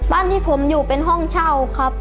บ้านที่ผมอยู่เป็นห้องเช่าครับ